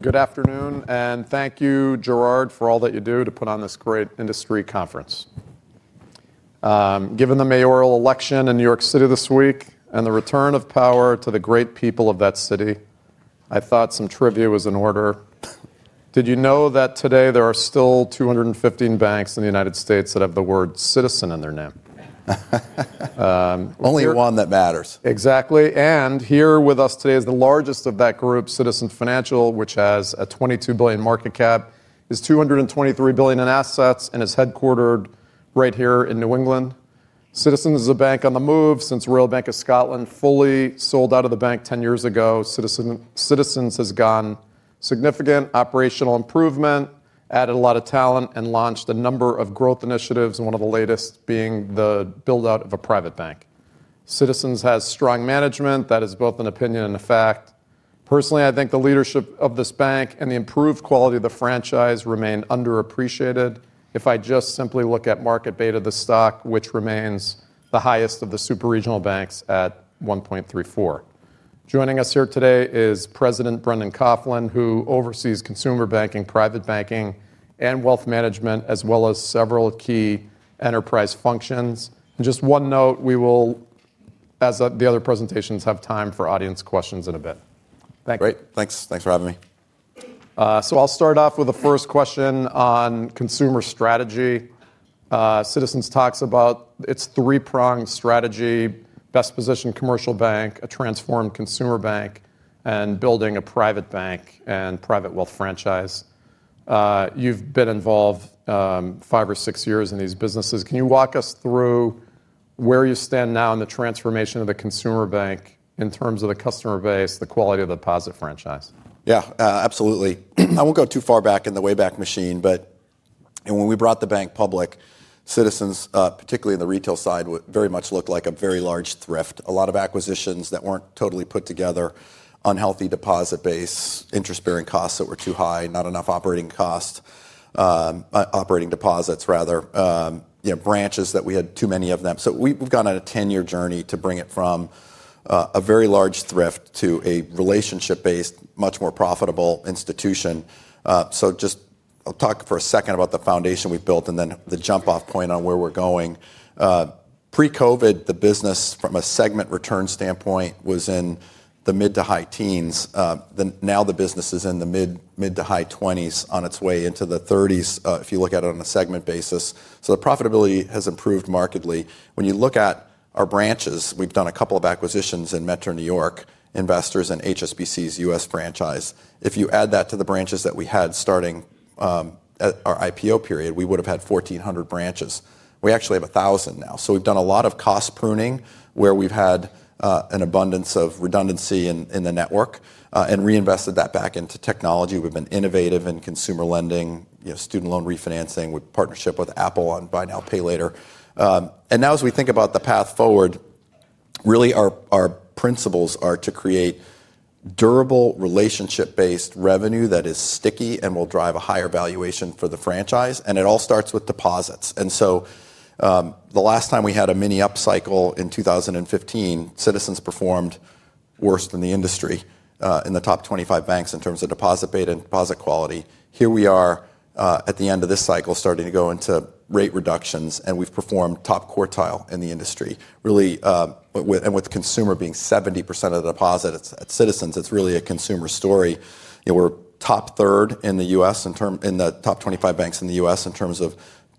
Good afternoon, and thank you, Gerard, for all that you do to put on this great industry conference. Given the mayoral election in New York City this week and the return of power to the great people of that city, I thought some trivia was in order. Did you know that today there are still 215 banks in the United States that have the word "Citizen" in their name? Only one that matters. Exactly. Here with us today is the largest of that group, Citizens Financial, which has a $22 billion market cap, is $223 billion in assets, and is headquartered right here in New England. Citizens is a bank on the move since Royal Bank of Scotland fully sold out of the bank 10 years ago. Citizens has gone significant operational improvement, added a lot of talent, and launched a number of growth initiatives, one of the latest being the build-out of a private bank. Citizens has strong management that is both an opinion and a fact. Personally, I think the leadership of this bank and the improved quality of the franchise remain underappreciated. If I just simply look at market beta of the stock, which remains the highest of the super regional banks at 1.34. Joining us here today is President Brendan Coughlin, who oversees consumer banking, private banking, and wealth management, as well as several key enterprise functions. Just one note, we will, as the other presentations have, time for audience questions in a bit. Thanks. Great. Thanks. Thanks for having me. I'll start off with the first question on consumer strategy. Citizens talks about its three-pronged strategy: best-positioned commercial bank, a transformed consumer bank, and building a private bank and private wealth franchise. You've been involved five or six years in these businesses. Can you walk us through where you stand now in the transformation of the consumer bank in terms of the customer base, the quality of the deposit franchise? Yeah, absolutely. I won't go too far back in the wayback machine, but when we brought the bank public, Citizens, particularly in the retail side, very much looked like a very large thrift. A lot of acquisitions that were not totally put together, unhealthy deposit base, interest-bearing costs that were too high, not enough operating deposits, branches that we had too many of them. We have gone on a 10-year journey to bring it from a very large thrift to a relationship-based, much more profitable institution. I'll talk for a second about the foundation we have built and then the jump-off point on where we are going. Pre-COVID, the business, from a segment return standpoint, was in the mid to high teens. Now the business is in the mid to high 20s on its way into the 30s if you look at it on a segment basis. The profitability has improved markedly. When you look at our branches, we've done a couple of acquisitions in Metro New York, Investors and HSBC's U.S. franchise. If you add that to the branches that we had starting at our IPO period, we would have had 1,400 branches. We actually have 1,000 now. We have done a lot of cost pruning where we've had an abundance of redundancy in the network and reinvested that back into technology. We have been innovative in consumer lending, student loan refinancing with partnership with Apple on Buy Now Pay Later. Now as we think about the path forward, really our principles are to create durable relationship-based revenue that is sticky and will drive a higher valuation for the franchise. It all starts with deposits. The last time we had a mini upcycle in 2015, Citizens performed worse than the industry in the top 25 banks in terms of deposit beta and deposit quality. Here we are at the end of this cycle starting to go into rate reductions, and we've performed top quartile in the industry. Really, and with consumer being 70% of the deposit at Citizens, it's really a consumer story. We're top third in the U.S. in the top 25 banks in the U.S. in terms of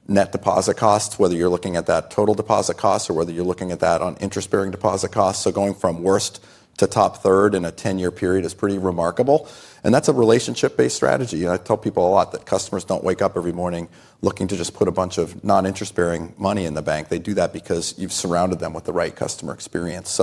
net deposit costs, whether you're looking at that total deposit cost or whether you're looking at that on interest-bearing deposit costs. Going from worst to top third in a 10-year period is pretty remarkable. That's a relationship-based strategy. I tell people a lot that customers don't wake up every morning looking to just put a bunch of non-interest-bearing money in the bank. They do that because you've surrounded them with the right customer experience.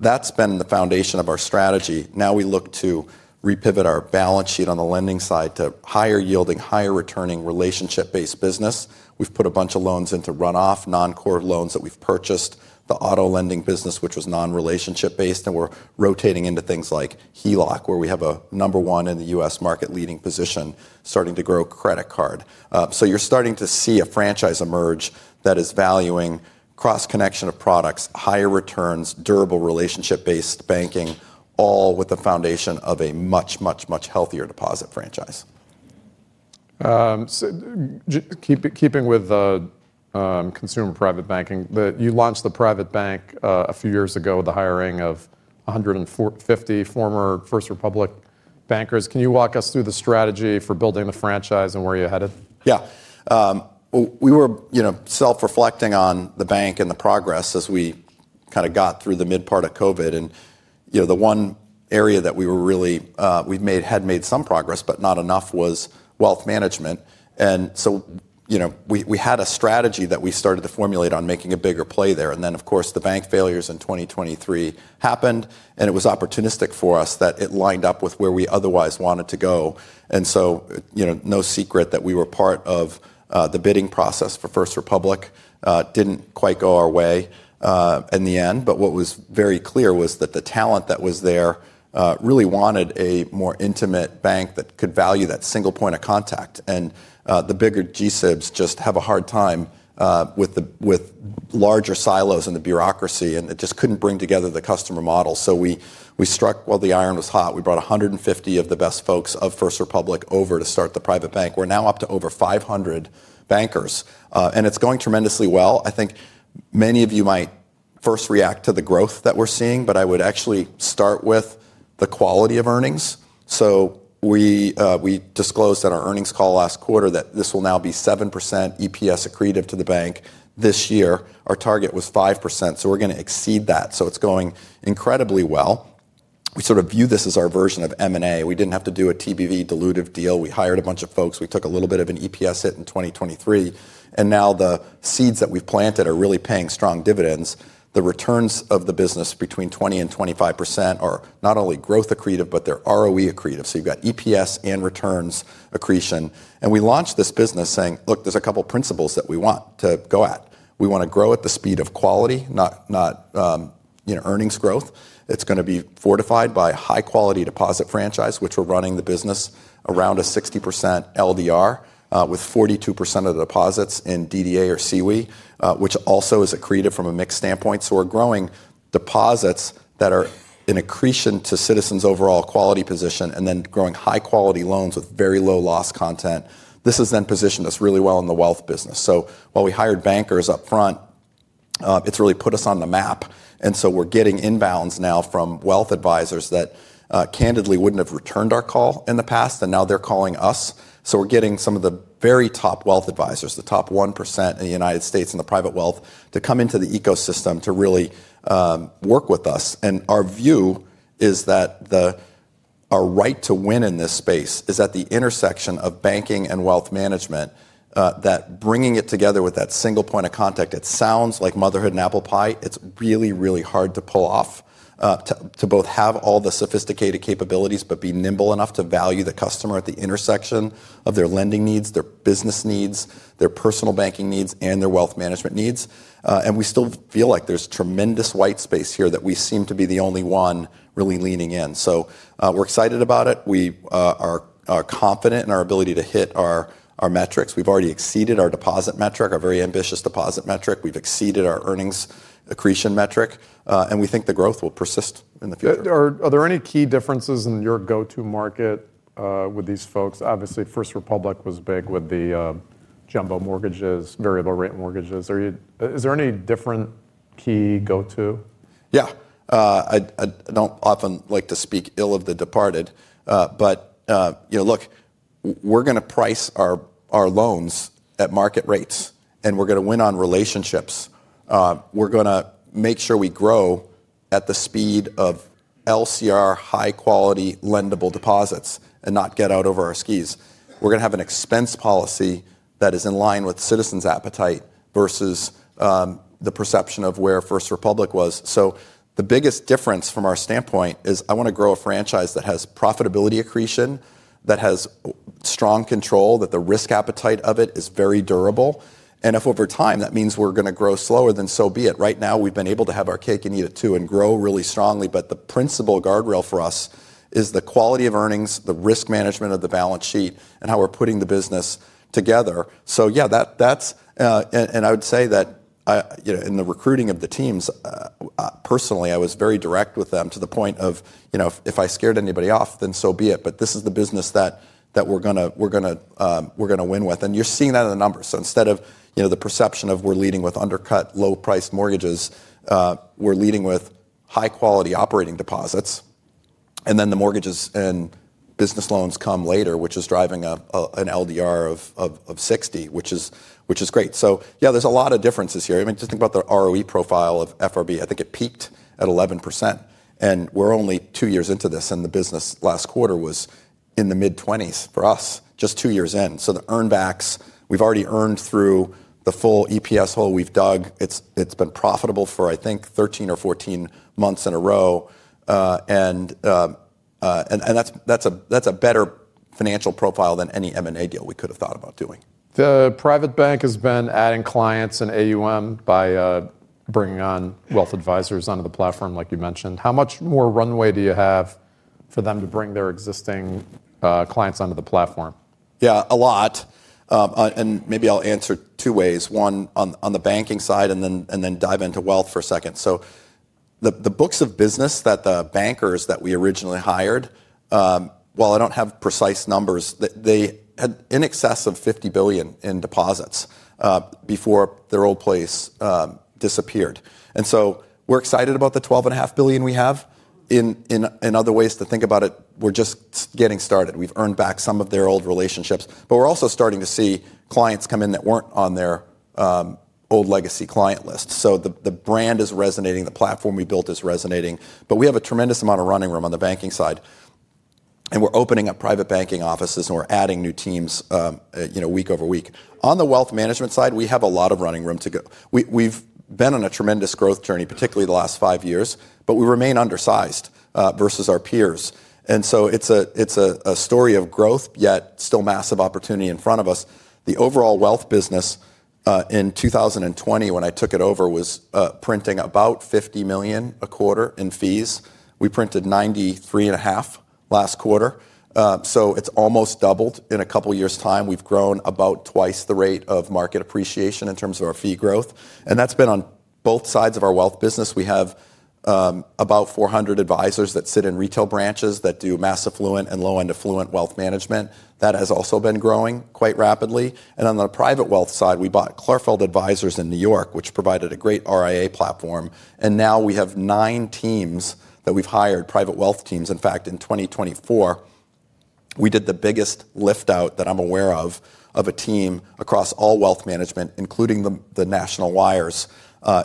That's been the foundation of our strategy. Now we look to re-pivot our balance sheet on the lending side to higher yielding, higher returning relationship-based business. We've put a bunch of loans into runoff, non-core loans that we've purchased, the auto lending business, which was non-relationship-based, and we're rotating into things like HELOC, where we have a number one in the U.S. market leading position, starting to grow credit card. You're starting to see a franchise emerge that is valuing cross-connection of products, higher returns, durable relationship-based banking, all with the foundation of a much, much, much healthier deposit franchise. Keeping with consumer private banking, you launched the private bank a few years ago with the hiring of 150 former First Republic bankers. Can you walk us through the strategy for building the franchise and where you're headed? Yeah. We were self-reflecting on the bank and the progress as we kind of got through the mid-part of COVID. The one area that we were really, we had made some progress, but not enough was wealth management. We had a strategy that we started to formulate on making a bigger play there. The bank failures in 2023 happened, and it was opportunistic for us that it lined up with where we otherwise wanted to go. No secret that we were part of the bidding process for First Republic. Didn't quite go our way in the end, but what was very clear was that the talent that was there really wanted a more intimate bank that could value that single point of contact. The bigger G-SIBs just have a hard time with. Larger silos and the bureaucracy, and it just could not bring together the customer model. We struck while the iron was hot. We brought 150 of the best folks of First Republic over to start the private bank. We are now up to over 500 bankers, and it is going tremendously well. I think many of you might first react to the growth that we are seeing, but I would actually start with the quality of earnings. We disclosed at our earnings call last quarter that this will now be 7% EPS accretive to the bank this year. Our target was 5%, so we are going to exceed that. It is going incredibly well. We sort of view this as our version of M&A. We did not have to do a TBV dilutive deal. We hired a bunch of folks. We took a little bit of an EPS hit in 2023. Now the seeds that we've planted are really paying strong dividends. The returns of the business between 20% and 25% are not only growth accretive, but they're ROE accretive. You've got EPS and returns accretion. We launched this business saying, "Look, there's a couple of principles that we want to go at. We want to grow at the speed of quality, not earnings growth. It's going to be fortified by high-quality deposit franchise, which we're running the business around a 60% LDR with 42% of the deposits in DDA or CWE, which also is accretive from a mixed standpoint. We're growing deposits that are in accretion to Citizens' overall quality position and then growing high-quality loans with very low loss content. This has then positioned us really well in the wealth business. While we hired bankers upfront, it's really put us on the map. We're getting inbounds now from wealth advisors that candidly wouldn't have returned our call in the past, and now they're calling us. We're getting some of the very top wealth advisors, the top 1% in the United States and the private wealth, to come into the ecosystem to really work with us. Our view is that our right to win in this space is at the intersection of banking and wealth management. Bringing it together with that single point of contact sounds like motherhood and apple pie. It's really, really hard to pull off, to both have all the sophisticated capabilities, but be nimble enough to value the customer at the intersection of their lending needs, their business needs, their personal banking needs, and their wealth management needs. We still feel like there's tremendous white space here that we seem to be the only one really leaning in. We are excited about it. We are confident in our ability to hit our metrics. We've already exceeded our deposit metric, our very ambitious deposit metric. We've exceeded our earnings accretion metric, and we think the growth will persist in the future. Are there any key differences in your go-to market with these folks? Obviously, First Republic was big with the jumbo mortgages, variable-rate mortgages. Is there any different key go-to? Yeah. I do not often like to speak ill of the departed, but. Look, we are going to price our loans at market rates, and we are going to win on relationships. We are going to make sure we grow at the speed of LCR, high-quality lendable deposits, and not get out over our skis. We are going to have an expense policy that is in line with Citizens' appetite versus the perception of where First Republic was. The biggest difference from our standpoint is I want to grow a franchise that has profitability accretion, that has strong control, that the risk appetite of it is very durable. If over time, that means we are going to grow slower, then so be it. Right now, we have been able to have our cake and eat it too and grow really strongly. The principal guardrail for us is the quality of earnings, the risk management of the balance sheet, and how we're putting the business together. Yeah, that's, and I would say that. In the recruiting of the teams, personally, I was very direct with them to the point of, if I scared anybody off, then so be it. This is the business that we're going to win with. You're seeing that in the numbers. Instead of the perception of we're leading with undercut, low-priced mortgages, we're leading with high-quality operating deposits. The mortgages and business loans come later, which is driving an LDR of 60, which is great. There are a lot of differences here. I mean, just think about the ROE profile of FRB. I think it peaked at 11%. We're only two years into this, and the business last quarter was in the mid-20s for us, just two years in. The earnbacks, we've already earned through the full EPS hole we've dug. It's been profitable for, I think, 13 or 14 months in a row. That's a better financial profile than any M&A deal we could have thought about doing. The private bank has been adding clients and AUM by bringing on wealth advisors onto the platform, like you mentioned. How much more runway do you have for them to bring their existing clients onto the platform? Yeah, a lot. Maybe I'll answer two ways. One on the banking side and then dive into wealth for a second. The books of business that the bankers that we originally hired, while I don't have precise numbers, they had in excess of $50 billion in deposits before their old place disappeared. We're excited about the $12.5 billion we have. In other ways to think about it, we're just getting started. We've earned back some of their old relationships, but we're also starting to see clients come in that weren't on their old legacy client list. The brand is resonating. The platform we built is resonating. We have a tremendous amount of running room on the banking side. We're opening up private banking offices, and we're adding new teams week over week. On the wealth management side, we have a lot of running room to go. We have been on a tremendous growth journey, particularly the last five years, but we remain undersized versus our peers. It is a story of growth, yet still massive opportunity in front of us. The overall wealth business in 2020, when I took it over, was printing about $50 million a quarter in fees. We printed $93.5 million last quarter. It is almost doubled in a couple of years' time. We have grown about twice the rate of market appreciation in terms of our fee growth. That has been on both sides of our wealth business. We have about 400 advisors that sit in retail branches that do mass affluent and low-end affluent wealth management. That has also been growing quite rapidly. On the private wealth side, we bought Clarkfeld Advisors in New York, which provided a great RIA platform. Now we have nine teams that we've hired, private wealth teams. In fact, in 2024, we did the biggest liftout that I'm aware of of a team across all wealth management, including the National Wires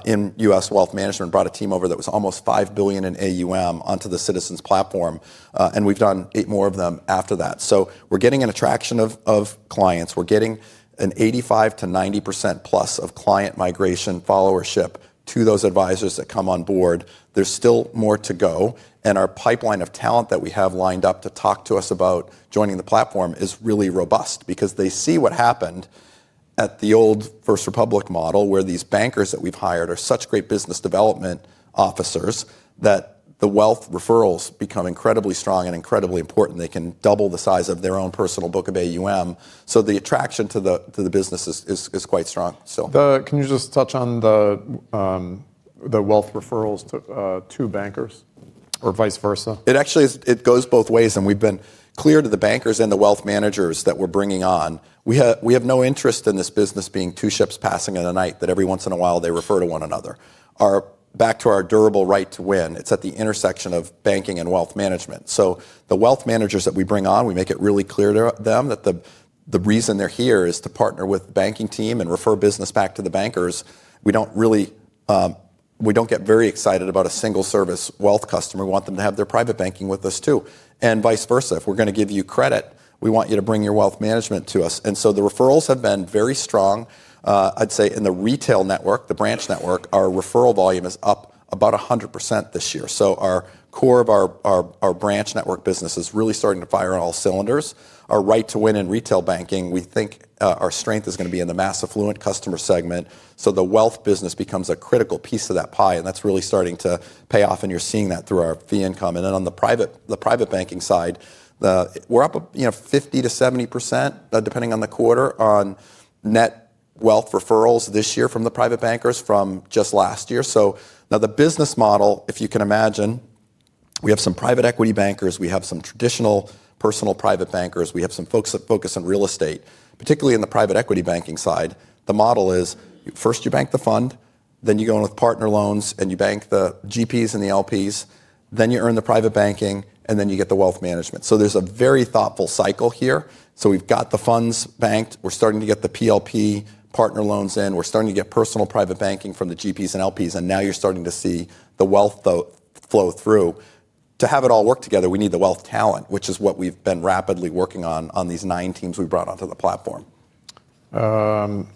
in U.S. wealth management, brought a team over that was almost $5 billion in AUM onto the Citizens platform. We've done eight more of them after that. We're getting an attraction of clients. We're getting an 85%-90%+ of client migration, followership to those advisors that come on board. There's still more to go. Our pipeline of talent that we have lined up to talk to us about joining the platform is really robust because they see what happened at the old First Republic model where these bankers that we've hired are such great business development officers that the wealth referrals become incredibly strong and incredibly important. They can double the size of their own personal book of AUM. The attraction to the business is quite strong. Can you just touch on the wealth referrals to bankers or vice versa? It actually goes both ways. We have been clear to the bankers and the wealth managers that we are bringing on, we have no interest in this business being two ships passing in the night that every once in a while they refer to one another. Back to our durable right to win, it is at the intersection of banking and wealth management. The wealth managers that we bring on, we make it really clear to them that the reason they are here is to partner with the banking team and refer business back to the bankers. We do not get very excited about a single-service wealth customer. We want them to have their private banking with us too. Vice versa, if we are going to give you credit, we want you to bring your wealth management to us. The referrals have been very strong. I'd say in the retail network, the branch network, our referral volume is up about 100% this year. Our core of our branch network business is really starting to fire on all cylinders. Our right to win in retail banking, we think our strength is going to be in the mass affluent customer segment. The wealth business becomes a critical piece of that pie, and that's really starting to pay off. You're seeing that through our fee income. On the private banking side, we're up 50%-70%, depending on the quarter, on net wealth referrals this year from the private bankers from just last year. The business model, if you can imagine, we have some private equity bankers. We have some traditional personal private bankers. We have some folks that focus on real estate, particularly in the private equity banking side. The model is first you bank the fund, then you go in with partner loans, and you bank the GPs and the LPs, then you earn the private banking, and then you get the wealth management. There is a very thoughtful cycle here. We have got the funds banked. We are starting to get the PLP partner loans in. We are starting to get personal private banking from the GPs and LPs. Now you are starting to see the wealth flow through. To have it all work together, we need the wealth talent, which is what we have been rapidly working on on these nine teams we brought onto the platform. Let's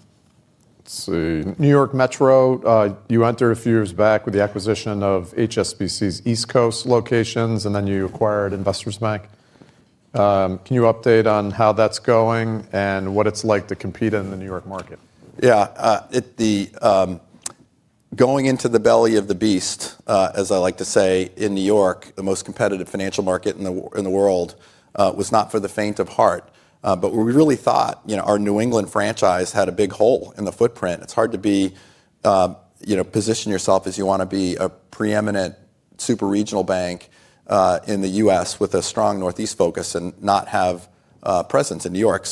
see. New York Metro, you entered a few years back with the acquisition of HSBC's East Coast locations, and then you acquired Investors Bank. Can you update on how that's going and what it's like to compete in the New York market? Yeah. Going into the belly of the beast, as I like to say in New York, the most competitive financial market in the world was not for the faint of heart. We really thought our New England franchise had a big hole in the footprint. It's hard to position yourself as you want to be a preeminent super regional bank in the U.S. with a strong Northeast focus and not have a presence in New York.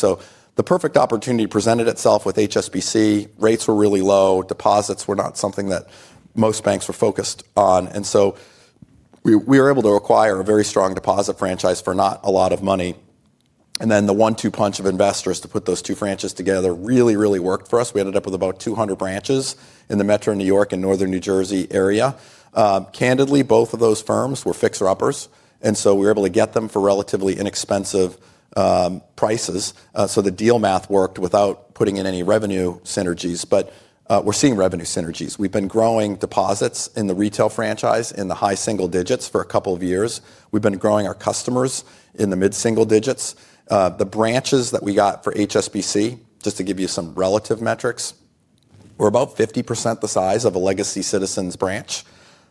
The perfect opportunity presented itself with HSBC. Rates were really low. Deposits were not something that most banks were focused on. We were able to acquire a very strong deposit franchise for not a lot of money. The one-two punch of Investors to put those two franchises together really, really worked for us. We ended up with about 200 branches in the Metro New York and Northern New Jersey area. Candidly, both of those firms were fixer-uppers. We were able to get them for relatively inexpensive prices. The deal math worked without putting in any revenue synergies. We are seeing revenue synergies. We have been growing deposits in the retail franchise in the high single digits for a couple of years. We have been growing our customers in the mid-single digits. The branches that we got for HSBC, just to give you some relative metrics, were about 50% the size of a legacy Citizens branch.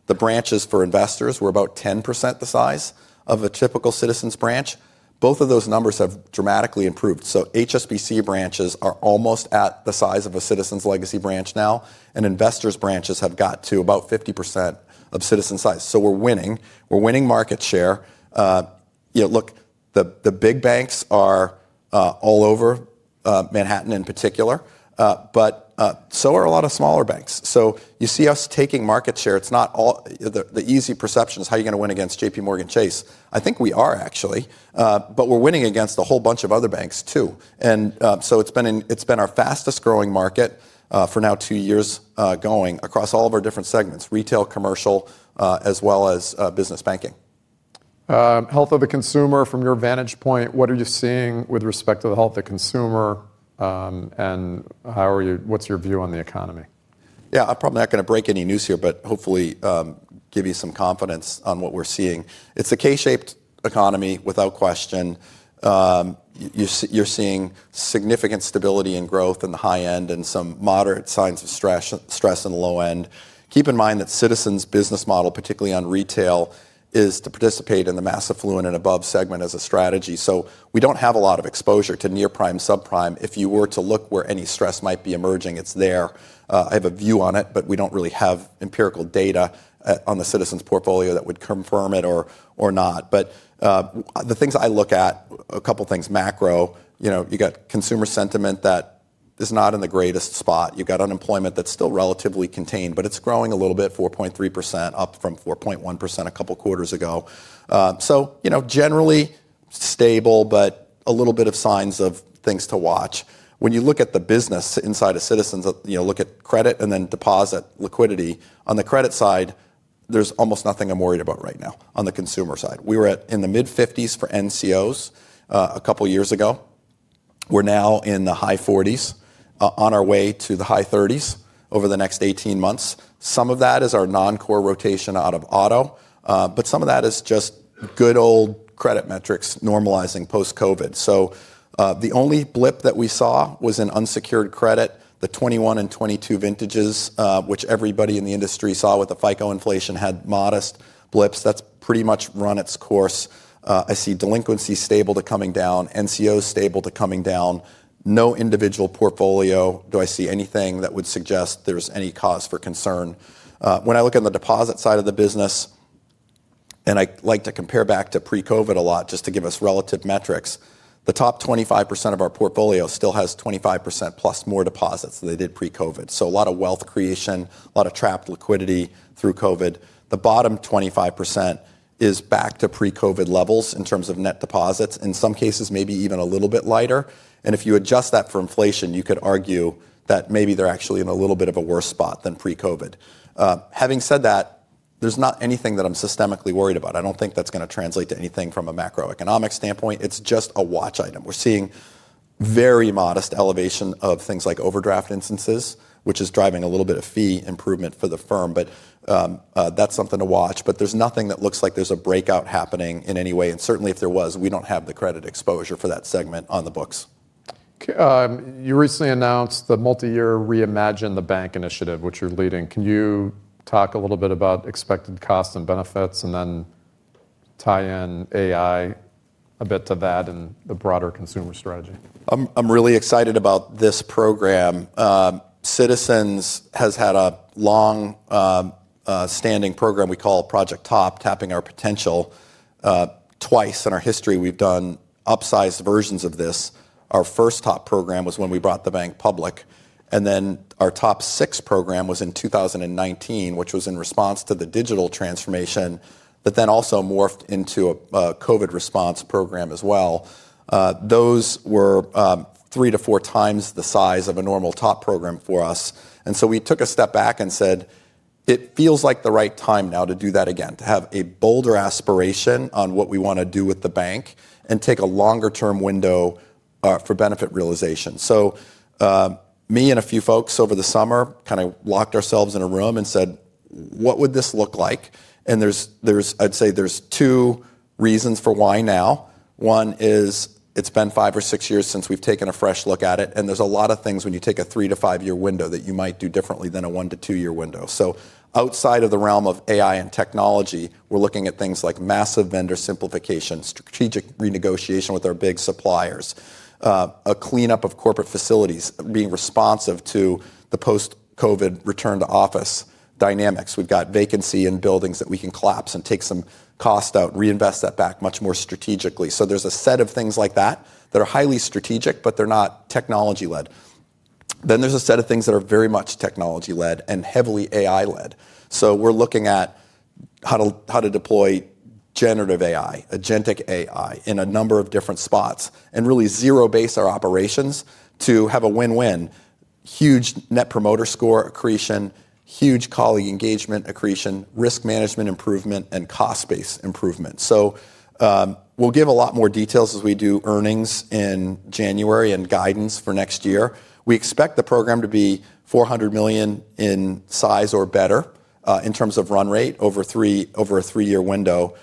The branches for Investors were about 10% the size of a typical Citizens branch. Both of those numbers have dramatically improved. HSBC branches are almost at the size of a Citizens legacy branch now. Investors' branches have got to about 50% of Citizens size. We're winning. We're winning market share. Look, the big banks are all over. Manhattan in particular. But so are a lot of smaller banks. You see us taking market share. It's not all the easy perception is how you're going to win against JPMorgan Chase. I think we are actually, but we're winning against a whole bunch of other banks too. It's been our fastest growing market for now two years going across all of our different segments, retail, commercial, as well as business banking. Health of the consumer from your vantage point, what are you seeing with respect to the health of the consumer? What is your view on the economy? Yeah, I'm probably not going to break any news here, but hopefully give you some confidence on what we're seeing. It's a K-shaped economy, without question. You're seeing significant stability and growth in the high end and some moderate signs of stress in the low end. Keep in mind that Citizens' business model, particularly on retail, is to participate in the mass affluent and above segment as a strategy. So we don't have a lot of exposure to near prime, subprime. If you were to look where any stress might be emerging, it's there. I have a view on it, but we don't really have empirical data on the Citizens portfolio that would confirm it or not. The things I look at, a couple of things, macro, you've got consumer sentiment that is not in the greatest spot. You've got unemployment that's still relatively contained, but it's growing a little bit, 4.3%, up from 4.1% a couple of quarters ago. Generally stable, but a little bit of signs of things to watch. When you look at the business inside of Citizens, look at credit and then deposit liquidity. On the credit side, there's almost nothing I'm worried about right now. On the consumer side, we were in the mid-50s for NCOs a couple of years ago. We're now in the high 40s, on our way to the high 30s over the next 18 months. Some of that is our non-core rotation out of auto, but some of that is just good old credit metrics normalizing post-COVID. The only blip that we saw was in unsecured credit, the 2021 and 2022 vintages, which everybody in the industry saw with the FICO inflation had modest blips. That's pretty much run its course. I see delinquency stable to coming down, NCOs stable to coming down. No individual portfolio do I see anything that would suggest there's any cause for concern? When I look at the deposit side of the business, I like to compare back to pre-COVID a lot just to give us relative metrics. The top 25% of our portfolio still has 25%+ more deposits than they did pre-COVID. A lot of wealth creation, a lot of trapped liquidity through COVID. The bottom 25% is back to pre-COVID levels in terms of net deposits, in some cases maybe even a little bit lighter. If you adjust that for inflation, you could argue that maybe they're actually in a little bit of a worse spot than pre-COVID. Having said that, there's not anything that I'm systemically worried about. I don't think that's going to translate to anything from a macroeconomic standpoint. It's just a watch item. We're seeing very modest elevation of things like overdraft instances, which is driving a little bit of fee improvement for the firm. That's something to watch. There's nothing that looks like there's a breakout happening in any way. Certainly if there was, we don't have the credit exposure for that segment on the books. You recently announced the multi-year reimagine the bank initiative, which you're leading. Can you talk a little bit about expected costs and benefits, and then tie in AI a bit to that and the broader consumer strategy? I'm really excited about this program. Citizens has had a long-standing program we call Project Top, Tapping Our Potential. Twice in our history, we've done upsized versions of this. Our first Top program was when we brought the bank public. Our Top Six program was in 2019, which was in response to the digital transformation that then also morphed into a COVID response program as well. Those were three to four times the size of a normal Top program for us. We took a step back and said, it feels like the right time now to do that again, to have a bolder aspiration on what we want to do with the bank and take a longer-term window for benefit realization. Me and a few folks over the summer kind of locked ourselves in a room and said, what would this look like? I'd say there's two reasons for why now. One is it's been five or six years since we've taken a fresh look at it. There's a lot of things when you take a three- to five-year window that you might do differently than a one- to two-year window. Outside of the realm of AI and technology, we're looking at things like massive vendor simplification, strategic renegotiation with our big suppliers, a cleanup of corporate facilities, being responsive to the post-COVID return to office dynamics. We've got vacancy in buildings that we can collapse and take some cost out, reinvest that back much more strategically. There's a set of things like that that are highly strategic, but they're not technology-led. There's a set of things that are very much technology-led and heavily AI-led. We're looking at. How to deploy generative AI, agentic AI in a number of different spots, and really zero base our operations to have a win-win, huge net promoter score accretion, huge colleague engagement accretion, risk management improvement, and cost base improvement. We will give a lot more details as we do earnings in January and guidance for next year. We expect the program to be $400 million in size or better in terms of run rate over a three-year window.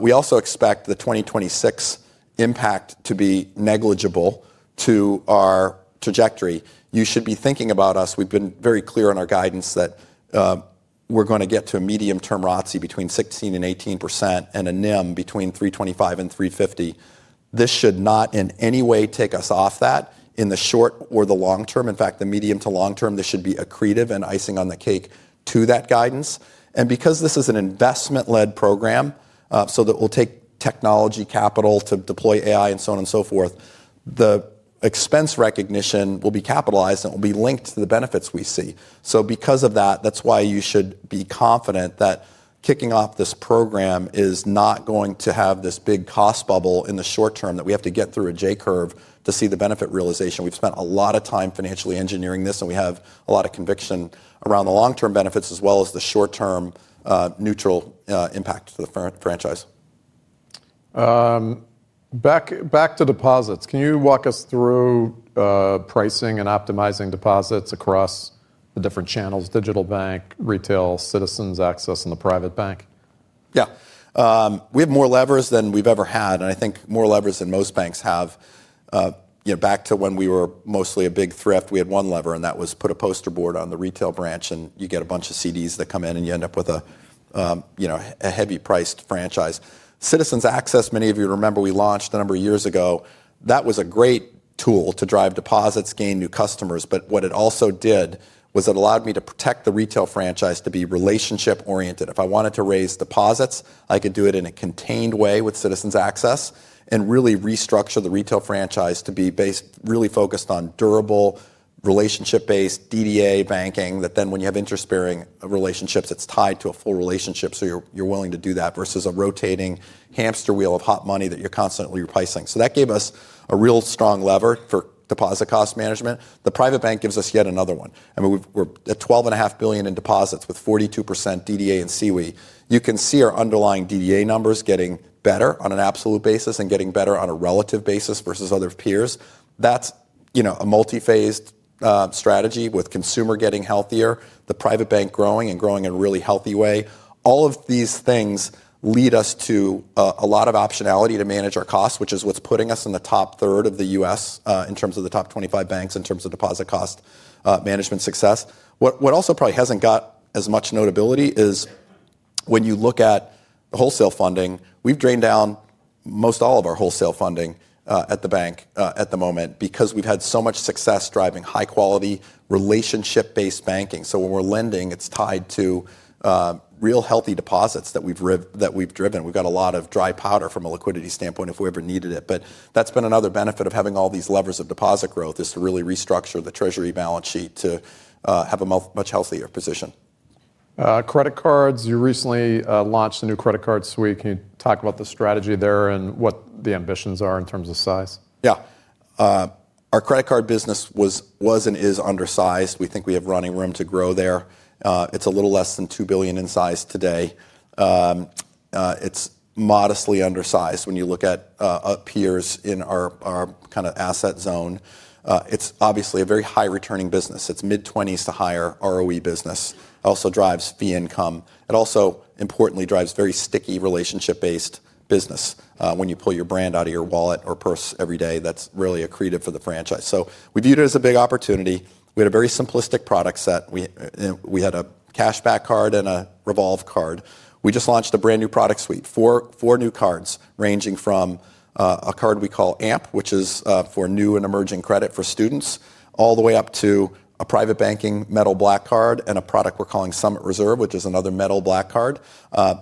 We also expect the 2026 impact to be negligible to our trajectory. You should be thinking about us. We have been very clear on our guidance that we are going to get to a medium-term ROTCE between 16%-18% and a NIM between 3.25%-3.50%. This should not in any way take us off that in the short or the long term. In fact, the medium to long term, this should be accretive and icing on the cake to that guidance. Because this is an investment-led program, so that we'll take technology capital to deploy AI and so on and so forth, the expense recognition will be capitalized and will be linked to the benefits we see. Because of that, that's why you should be confident that kicking off this program is not going to have this big cost bubble in the short term that we have to get through a J curve to see the benefit realization. We've spent a lot of time financially engineering this, and we have a lot of conviction around the long-term benefits as well as the short-term neutral impact to the franchise. Back to deposits, can you walk us through pricing and optimizing deposits across the different channels, digital bank, retail, Citizens Access, and the private bank? Yeah. We have more levers than we've ever had, and I think more levers than most banks have. Back to when we were mostly a big thrift, we had one lever, and that was put a poster board on the retail branch, and you get a bunch of CDs that come in, and you end up with a heavy-priced franchise. Citizens Access, many of you remember we launched a number of years ago. That was a great tool to drive deposits, gain new customers. What it also did was it allowed me to protect the retail franchise to be relationship-oriented. If I wanted to raise deposits, I could do it in a contained way with Citizens Access and really restructure the retail franchise to be based really focused on durable relationship-based DDA banking that then when you have interest-bearing relationships, it's tied to a full relationship. You're willing to do that versus a rotating hamster wheel of hot money that you're constantly replacing. That gave us a real strong lever for deposit cost management. The private bank gives us yet another one. I mean, we're at $12.5 billion in deposits with 42% DDA and CWE. You can see our underlying DDA numbers getting better on an absolute basis and getting better on a relative basis versus other peers. That's a multi-phased strategy with consumer getting healthier, the private bank growing and growing in a really healthy way. All of these things lead us to a lot of optionality to manage our costs, which is what's putting us in the top third of the U.S. in terms of the top 25 banks in terms of deposit cost management success. What also probably hasn't got as much notability is when you look at wholesale funding, we've drained down most all of our wholesale funding at the bank at the moment because we've had so much success driving high-quality relationship-based banking. When we're lending, it's tied to real healthy deposits that we've driven. We've got a lot of dry powder from a liquidity standpoint if we ever needed it. That's been another benefit of having all these levers of deposit growth, to really restructure the treasury balance sheet to have a much healthier position. Credit cards, you recently launched a new credit card suite. Can you talk about the strategy there and what the ambitions are in terms of size? Yeah. Our credit card business was and is undersized. We think we have running room to grow there. It is a little less than $2 billion in size today. It is modestly undersized when you look at peers in our kind of asset zone. It is obviously a very high-returning business. It is mid-20s to higher ROE business. It also drives fee income. It also importantly drives very sticky relationship-based business. When you pull your brand out of your wallet or purse every day, that is really accretive for the franchise. We viewed it as a big opportunity. We had a very simplistic product set. We had a cashback card and a revolve card. We just launched a brand new product suite, four new cards ranging from. A card we call AMP, which is for new and emerging credit for students, all the way up to a private banking metal black card and a product we're calling Summit Reserve, which is another metal black card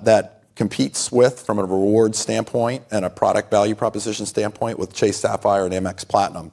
that competes with from a reward standpoint and a product value proposition standpoint with Chase Sapphire and Amex Platinum.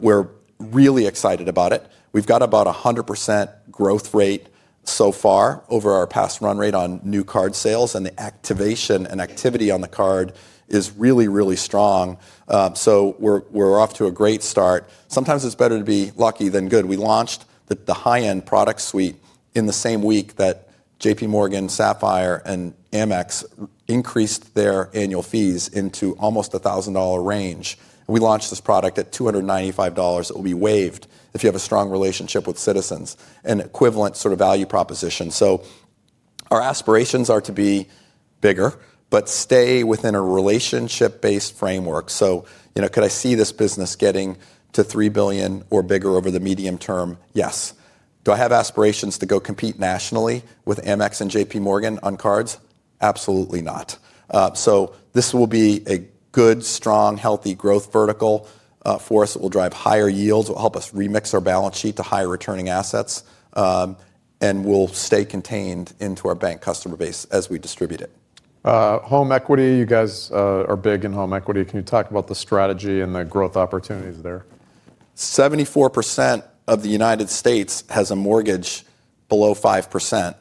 We're really excited about it. We've got about a 100% growth rate so far over our past run rate on new card sales, and the activation and activity on the card is really, really strong. We are off to a great start. Sometimes it's better to be lucky than good. We launched the high-end product suite in the same week that JPMorgan, Sapphire, and Amex increased their annual fees into almost $1,000 range. We launched this product at $295. It will be waived if you have a strong relationship with Citizens and equivalent sort of value proposition. Our aspirations are to be bigger, but stay within a relationship-based framework. Could I see this business getting to $3 billion or bigger over the medium term? Yes. Do I have aspirations to go compete nationally with Amex and JPMorgan on cards? Absolutely not. This will be a good, strong, healthy growth vertical for us. It will drive higher yields. It will help us remix our balance sheet to higher returning assets. We'll stay contained into our bank customer base as we distribute it. Home equity, you guys are big in home equity. Can you talk about the strategy and the growth opportunities there? 74% of the U.S. has a mortgage below 5%.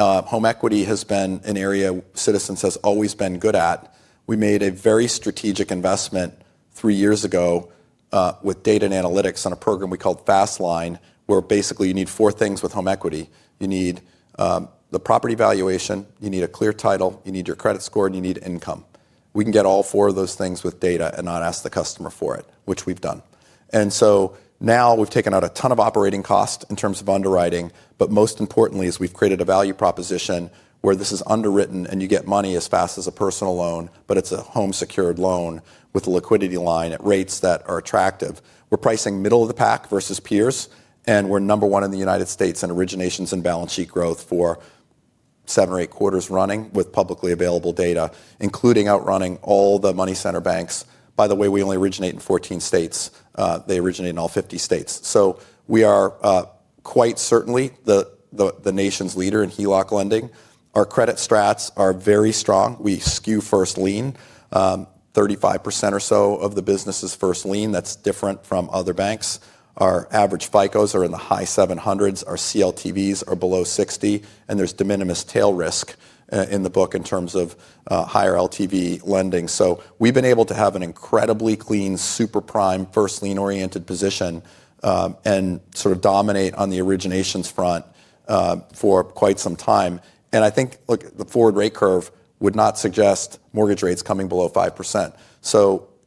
Home equity has been an area Citizens has always been good at. We made a very strategic investment three years ago with data and analytics on a program we called FastLine, where basically you need four things with home equity. You need the property valuation, you need a clear title, you need your credit score, and you need income. We can get all four of those things with data and not ask the customer for it, which we've done. We have taken out a ton of operating costs in terms of underwriting, but most importantly is we've created a value proposition where this is underwritten and you get money as fast as a personal loan, but it's a home secured loan with a liquidity line at rates that are attractive. We're pricing middle of the pack versus peers, and we're number one in the U.S. in originations and balance sheet growth for seven or eight quarters running with publicly available data, including outrunning all the money center banks. By the way, we only originate in 14 states. They originate in all 50 states. We are quite certainly the nation's leader in HELOC lending. Our credit strats are very strong. We skew first lien. 35% or so of the business is first lien, that's different from other banks. Our average FICOs are in the high 700s. Our CLTVs are below 60%, and there's de minimis tail risk in the book in terms of higher LTV lending. We've been able to have an incredibly clean, super prime, first lien oriented position, and sort of dominate on the originations front for quite some time. I think the forward rate curve would not suggest mortgage rates coming below 5%.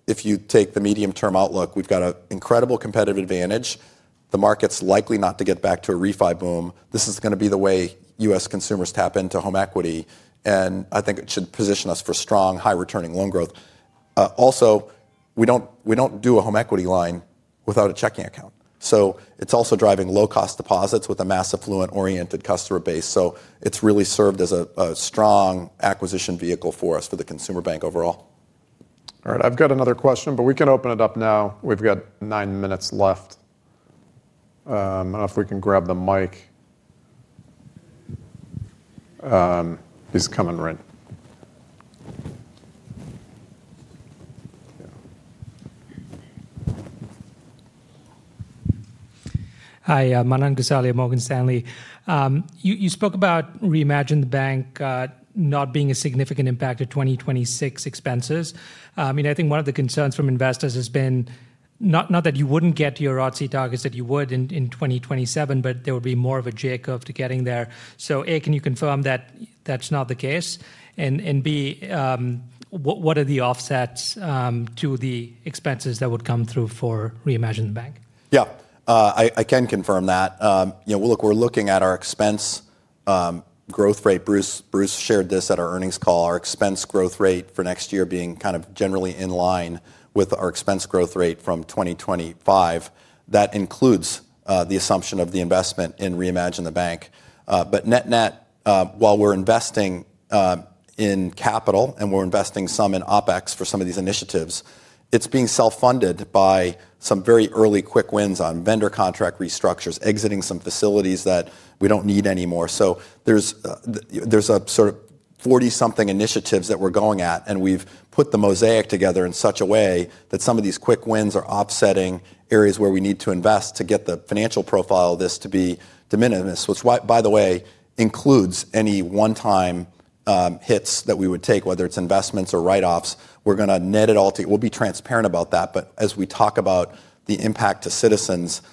If you take the medium-term outlook, we have got an incredible competitive advantage. The market is likely not to get back to a refi boom. This is going to be the way U.S. consumers tap into home equity, and I think it should position us for strong, high-returning loan growth. Also, we do not do a home equity line without a checking account. It is also driving low-cost deposits with a mass affluent oriented customer base. It has really served as a strong acquisition vehicle for us for the consumer bank overall. All right, I've got another question, but we can open it up now. We've got nine minutes left. I don't know if we can grab the mic. He's coming, right? Hi, my name is Gus Ali, Morgan Stanley. You spoke about reimagine the bank not being a significant impact of 2026 expenses. I mean, I think one of the concerns from investors has been not that you wouldn't get to your ROTCE targets that you would in 2027, but there would be more of a J curve to getting there. So A, can you confirm that that's not the case? And B. What are the offsets to the expenses that would come through for reimagine the bank? Yeah, I can confirm that. Look, we're looking at our expense growth rate. Bruce shared this at our earnings call, our expense growth rate for next year being kind of generally in line with our expense growth rate from 2025. That includes the assumption of the investment in reimagine the bank. But net net, while we're investing in capital and we're investing some in OpEx for some of these initiatives, it's being self-funded by some very early quick wins on vendor contract restructures, exiting some facilities that we don't need anymore. There's a sort of 40-something initiatives that we're going at, and we've put the mosaic together in such a way that some of these quick wins are offsetting areas where we need to invest to get the financial profile of this to be de minimis, which, by the way, includes any one-time. Hits that we would take, whether it's investments or write-offs. We're going to net it all to you. We'll be transparent about that, but as we talk about the impact to Citizens,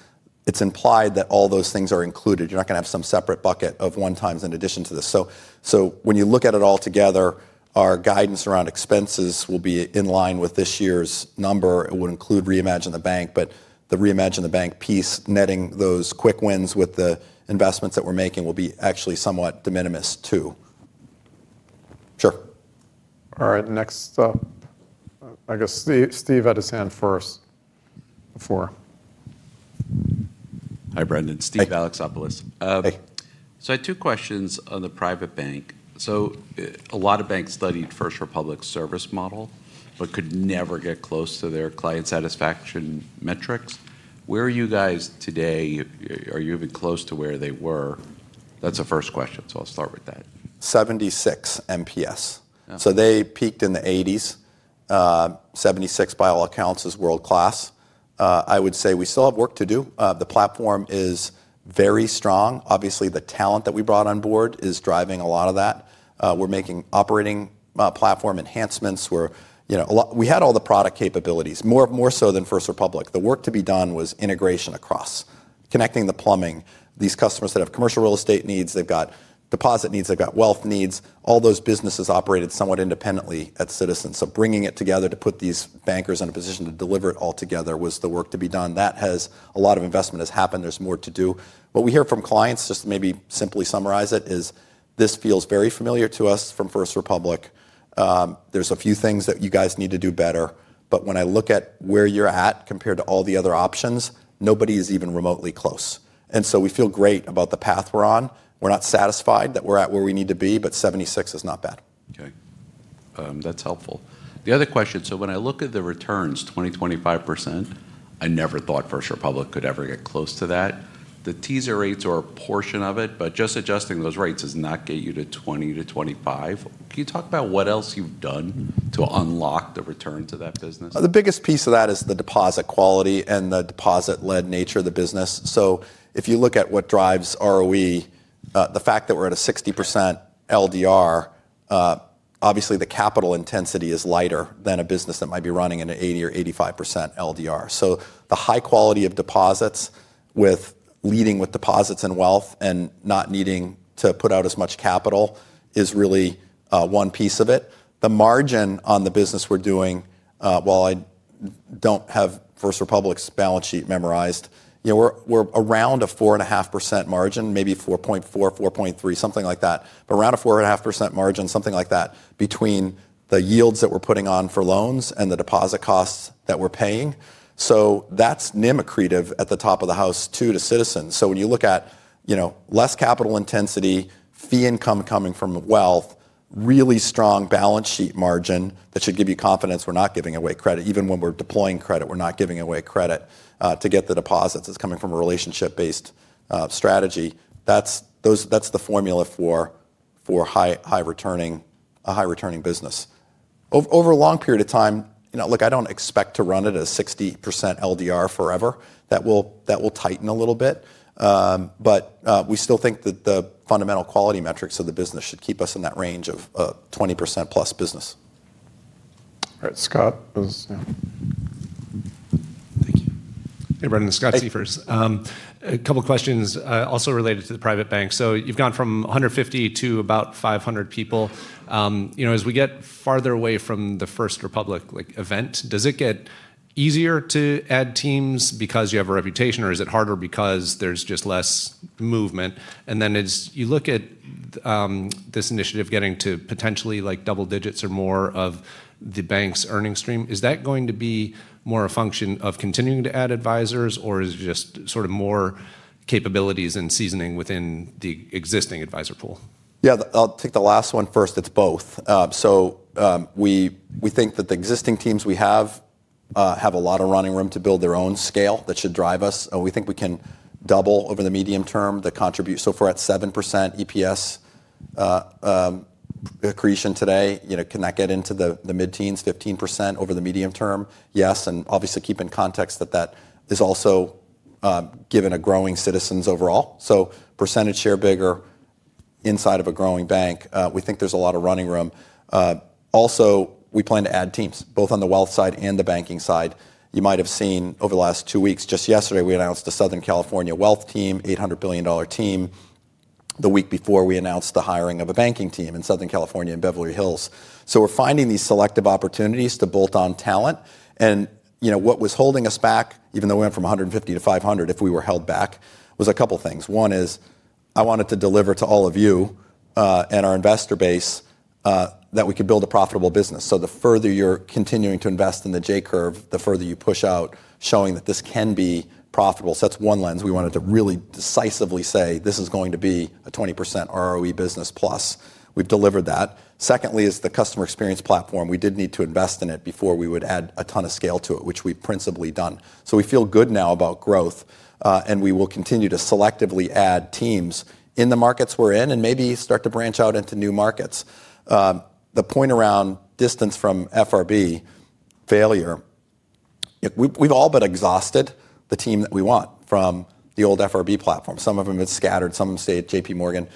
it's implied that all those things are included. You're not going to have some separate bucket of one-times in addition to this. When you look at it all together, our guidance around expenses will be in line with this year's number. It would include reimagine the bank, but the reimagine the bank piece, netting those quick wins with the investments that we're making will be actually somewhat de minimis too. Sure. All right, next up, I guess Steve Edison first. Before. Hi, Brendan, Steve Alexopoulos. I had two questions on the private bank. A lot of banks studied First Republic's service model, but could never get close to their client satisfaction metrics. Where are you guys today? Are you even close to where they were? That is a first question, so I'll start with that. 76 MPS. They peaked in the 80s. 76 by all accounts is world-class. I would say we still have work to do. The platform is very strong. Obviously, the talent that we brought on board is driving a lot of that. We're making operating platform enhancements. We had all the product capabilities, more so than First Republic. The work to be done was integration across, connecting the plumbing. These customers that have commercial real estate needs, they've got deposit needs, they've got wealth needs. All those businesses operated somewhat independently at Citizens. Bringing it together to put these bankers in a position to deliver it all together was the work to be done. That has a lot of investment has happened. There's more to do. What we hear from clients, just to maybe simply summarize it, is this feels very familiar to us from First Republic. There's a few things that you guys need to do better, but when I look at where you're at compared to all the other options, nobody is even remotely close. We feel great about the path we're on. We're not satisfied that we're at where we need to be, but 76 is not bad. Okay. That's helpful. The other question, so when I look at the returns, 20-25%, I never thought First Republic could ever get close to that. The teaser rates are a portion of it, but just adjusting those rates does not get you to 20-25%. Can you talk about what else you've done to unlock the return to that business? The biggest piece of that is the deposit quality and the deposit-led nature of the business. If you look at what drives ROE, the fact that we're at a 60% LDR. Obviously, the capital intensity is lighter than a business that might be running in an 80% or 85% LDR. The high quality of deposits with leading with deposits and wealth and not needing to put out as much capital is really one piece of it. The margin on the business we're doing, while I don't have First Republic's balance sheet memorized, we're around a 4.5% margin, maybe 4.4, 4.3, something like that, but around a 4.5% margin, something like that between the yields that we're putting on for loans and the deposit costs that we're paying. That is NIM accretive at the top of the house too to Citizens. If you look at. Less capital intensity, fee income coming from wealth, really strong balance sheet margin that should give you confidence. We're not giving away credit. Even when we're deploying credit, we're not giving away credit to get the deposits. It's coming from a relationship-based strategy. That's the formula for a high-returning business. Over a long period of time, look, I don't expect to run it at a 60% LDR forever. That will tighten a little bit. We still think that the fundamental quality metrics of the business should keep us in that range of 20% plus business. All right, Scott. Thank you. Hey, Brendan, Scott Siefers. A couple of questions also related to the private bank. So you've gone from 150 to about 500 people. As we get farther away from the First Republic event, does it get easier to add teams because you have a reputation, or is it harder because there's just less movement? And then as you look at this initiative getting to potentially double digits or more of the bank's earnings stream, is that going to be more a function of continuing to add advisors, or is it just sort of more capabilities and seasoning within the existing advisor pool? Yeah, I'll take the last one first. It's both. We think that the existing teams we have have a lot of running room to build their own scale that should drive us. We think we can double over the medium term. If we're at 7% EPS accretion today, can that get into the mid-teens, 15% over the medium term? Yes. Obviously, keep in context that that is also given a growing Citizens overall. Percentage share bigger inside of a growing bank, we think there's a lot of running room. Also, we plan to add teams, both on the wealth side and the banking side. You might have seen over the last two weeks, just yesterday, we announced the Southern California Wealth Team, $800 million team. The week before, we announced the hiring of a banking team in Southern California in Beverly Hills. We're finding these selective opportunities to bolt on talent. What was holding us back, even though we went from 150-500, if we were held back, was a couple of things. One is I wanted to deliver to all of you and our investor base that we could build a profitable business. The further you're continuing to invest in the J curve, the further you push out showing that this can be profitable. That's one lens. We wanted to really decisively say this is going to be a 20% ROE business plus. We've delivered that. Secondly is the customer experience platform. We did need to invest in it before we would add a ton of scale to it, which we've principally done. We feel good now about growth, and we will continue to selectively add teams in the markets we're in and maybe start to branch out into new markets. The point around distance from FRB failure. We've all been exhausted the team that we want from the old FRB platform. Some of them are scattered. Some of them stay at JPMorgan.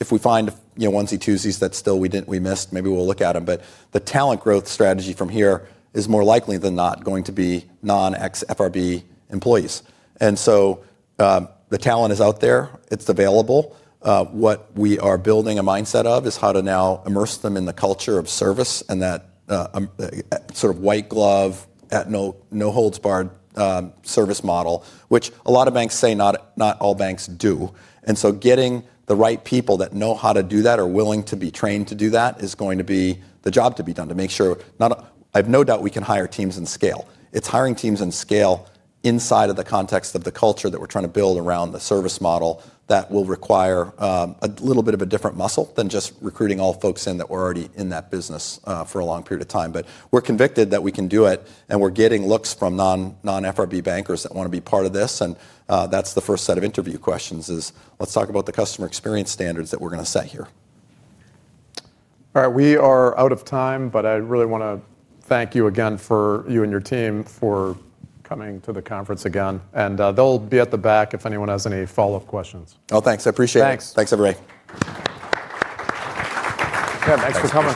If we find onesie-twosies that still we missed, maybe we'll look at them. The talent growth strategy from here is more likely than not going to be non-FRB employees. The talent is out there. It's available. What we are building a mindset of is how to now immerse them in the culture of service and that sort of white glove, no holds barred service model, which a lot of banks say not all banks do. Getting the right people that know how to do that or are willing to be trained to do that is going to be the job to be done to make sure I have no doubt we can hire teams and scale. It is hiring teams and scale inside of the context of the culture that we are trying to build around the service model that will require a little bit of a different muscle than just recruiting all folks in that were already in that business for a long period of time. We are convicted that we can do it, and we are getting looks from non-FRB bankers that want to be part of this. The first set of interview questions is let's talk about the customer experience standards that we are going to set here. All right, we are out of time, but I really want to thank you again for you and your team for coming to the conference again. They'll be at the back if anyone has any follow-up questions. Oh, thanks. I appreciate it. Thanks, everybody. Yeah, thanks for coming.